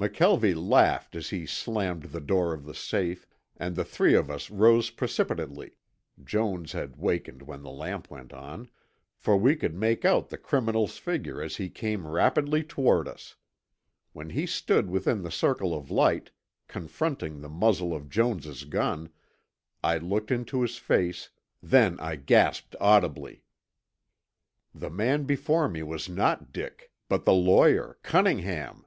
McKelvie laughed as he slammed the door of the safe, and the three of us rose precipitately (Jones had wakened when the lamp went on), for we could make out the criminal's figure as he came rapidly toward us. When he stood within the circle of light, confronting the muzzle of Jones' gun, I looked into his face, then I gasped audibly. The man before me was not Dick, but the lawyer Cunningham!